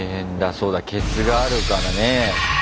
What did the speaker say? そうだケツがあるからね。